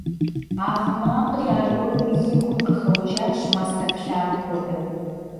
А гъы макъри аргуэру и гум къыхэуэжащ мастэ плъам хуэдэу.